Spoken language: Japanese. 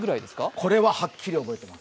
これははっきり覚えています。